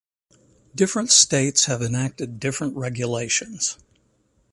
Different states have enacted different regulations.